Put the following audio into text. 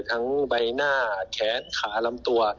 ทั้งใบหน้าแค้นขาลำตัว